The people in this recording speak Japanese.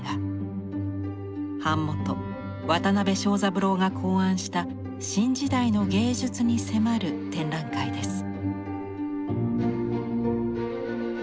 版元・渡邊庄三郎が考案した新時代の芸術に迫る展覧会です。